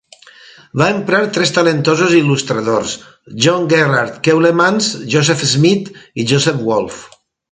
Va emprar tres talentosos il·lustradors: John Gerrard Keulemans, Joseph Smit i Joseph Wolf.